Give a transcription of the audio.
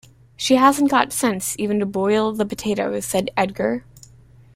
“She hasn’t got sense even to boil the potatoes,” said Edgar.